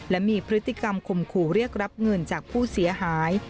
และมีพฤติกรรมข่มขู่เรียกรับเงินจากผู้เสียหาย